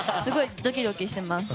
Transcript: ドキドキしてます。